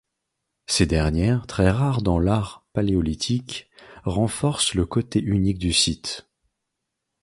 Ces dernières, très rares dans l’art paléolithique, renforcent le côté unique du site.